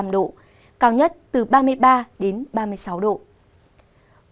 khu vực tây nguyên có mây chiều tối và đêm có mưa rào và rông vài nơi